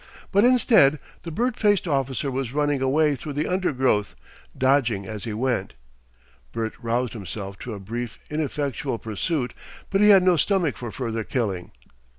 But instead the bird faced officer was running away through the undergrowth, dodging as he went. Bert roused himself to a brief ineffectual pursuit, but he had no stomach for further killing.